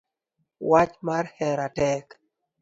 Wach mar hera tek